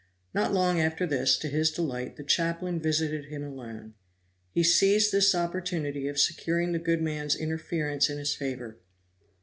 Not long after this, to his delight, the chaplain visited him alone. He seized this opportunity of securing the good man's interference in his favor.